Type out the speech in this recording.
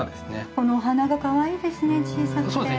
このお花がかわいいですね小さくてそうですね